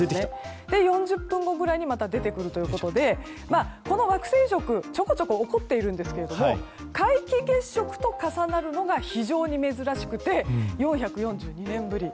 ４０分後くらいにまた、出てくるということでこの惑星食、ちょこちょこ起こっているんですけれども皆既月食と重なるのが非常に珍しくて４４２年ぶり。